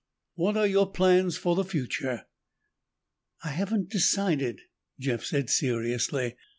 "What are your plans for the future?" "I haven't decided," Jeff said seriously.